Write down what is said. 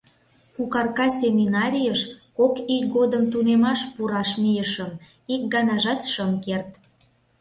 Кукарка семинарийыш кок ий годым тунемаш пураш мийышым — ик ганажат шым керт.